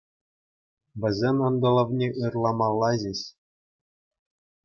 Вӗсен ӑнтӑлӑвне ырламалла ҫеҫ.